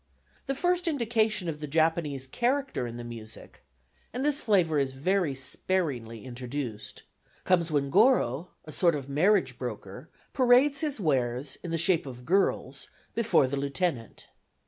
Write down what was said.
The first indication of the Japanese character in the music and this flavour is very sparingly introduced comes when Goro (a sort of marriage broker) parades his wares, in the shape of girls, before the lieutenant.